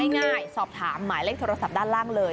ง่ายสอบถามหมายเลขโทรศัพท์ด้านล่างเลย